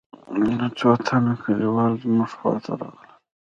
څو تنه كليوال زموږ خوا ته راغلل.